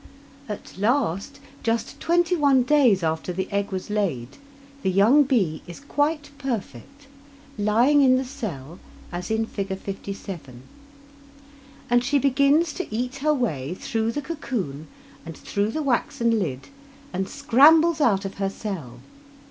At last, just twenty one days after the egg was laid, the young bee is quite perfect, lying in the cell as in Fig. 57, and she begins to eat her way through the cocoon and through the waxen lid, and scrambles out of her cell.